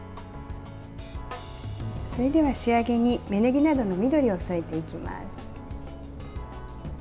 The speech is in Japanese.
それでは仕上げに芽ねぎなどの緑を添えていきます。